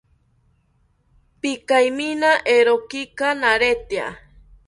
Pikaimina eerokika naretya